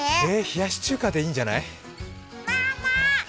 冷やし中華でいいんじゃない？